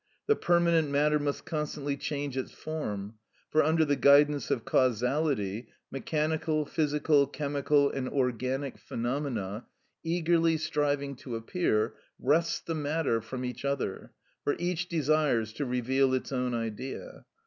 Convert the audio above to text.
The permanent matter must constantly change its form; for under the guidance of causality, mechanical, physical, chemical, and organic phenomena, eagerly striving to appear, wrest the matter from each other, for each desires to reveal its own Idea.